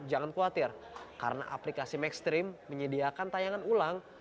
jangan khawatir karena aplikasi mainstream menyediakan tayangan ulang